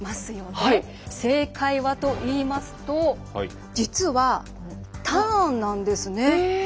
正解はといいますと実はターンなんですね。